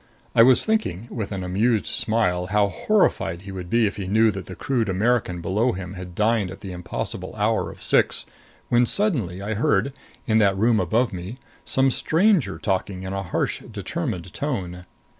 I was thinking, with an amused smile, how horrified he would be if he knew that the crude American below him had dined at the impossible hour of six, when suddenly I heard, in that room above me, some stranger talking in a harsh determined tone.